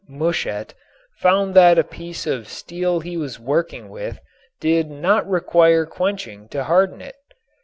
Mushet, found that a piece of steel he was working with did not require quenching to harden it.